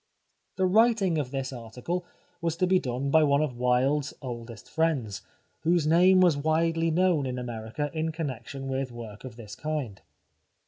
The writing of this article was to be done by one of Wilde's oldest friends, whose name was widely known in America in connection with work of this kind.